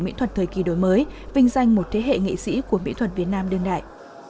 mỹ thuật thời kỳ đổi mới vinh danh một thế hệ nghệ sĩ của mỹ thuật việt nam đương đại